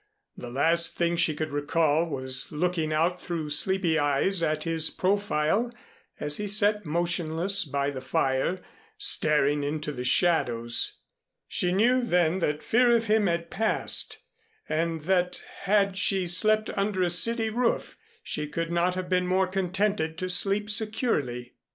The last thing she could recall was looking out through sleepy eyes at his profile as he sat motionless by the fire staring into the shadows. She knew then that fear of him had passed and that had she slept under a city roof she could not have been more contented to sleep securely.